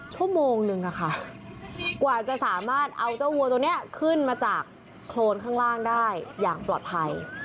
ชั่วโมงนึงค่ะกว่าจะสามารถเอาเจ้าวัวตัวนี้ขึ้นมาจากโครนข้างล่างได้อย่างปลอดภัย